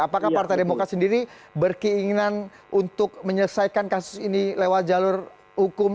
apakah partai demokrat sendiri berkeinginan untuk menyelesaikan kasus ini lewat jalur hukum